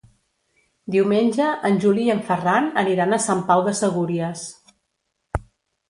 Diumenge en Juli i en Ferran aniran a Sant Pau de Segúries.